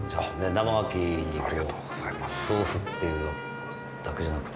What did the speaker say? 生ガキにソースっていうだけじゃなくて。